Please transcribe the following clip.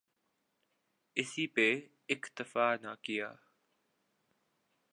اسی پہ اکتفا نہ کیا۔